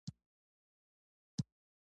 • د ورځې پاکوالی د زړونو صفا کوي.